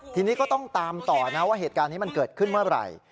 ทีนี้ก็ต้องตามต่อนะว่าเหตุการณ์นี้มันเกิดขึ้นเมื่อไหร่